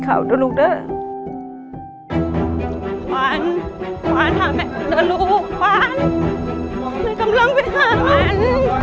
หล่อมันอยู่ในนั้น